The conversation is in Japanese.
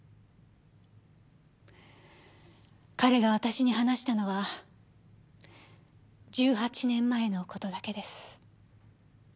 彼が私に話したのは１８年前のことだけです。